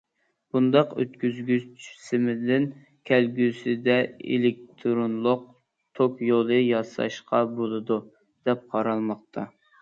بۇنداق ئۆتكۈزگۈچ سىمدىن كەلگۈسىدە ئېلېكتىرونلۇق توك يولى ياساشقا بولىدۇ، دەپ قارالماقتا.